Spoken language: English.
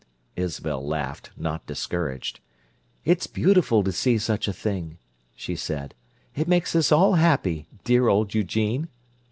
Isabel laughed, not discouraged. "It's beautiful to see such a thing," she said. "It makes us all happy, dear old Eugene!"